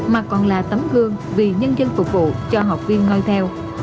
mà còn là tấm gương vì nhân dân phục vụ cho học viên nói theo